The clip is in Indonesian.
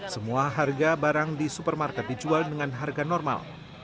semua harga barang di supermarket dijual dengan harga normal